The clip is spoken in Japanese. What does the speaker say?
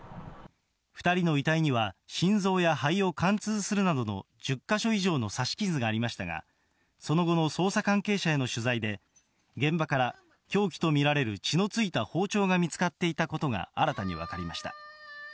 ２人の遺体には、心臓や肺を貫通するなどの１０か所以上の刺し傷がありましたが、その後の捜査関係者への取材で、現場から凶器と見られる血のついた包丁が見つかっていたことが新たに分かりました。